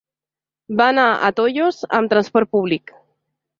Va anar a Tollos amb transport públic.